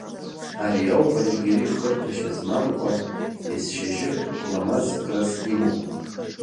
Абри ауп Ажьгьери хырԥашьа змамкәа, есшьыжьы ламазкрас имоу.